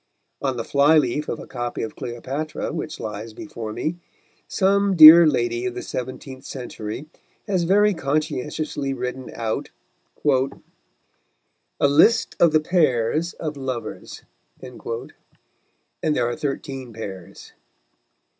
On the fly leaf of a copy of Cleopatra which lies before me, some dear lady of the seventeenth century has very conscientiously written out "a list of the Pairs of Lovers," and there are thirteen pairs.